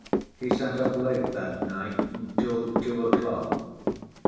He sat up late that night, till two o'clock.